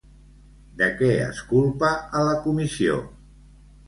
De què es culpa a la comissió?